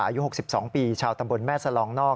อายุ๖๒ปีชาวตำบลแม่สลองนอก